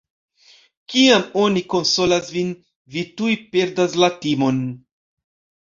Kiam oni konsolas vin, vi tuj perdas la timon.